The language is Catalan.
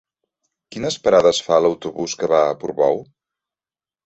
Quines parades fa l'autobús que va a Portbou?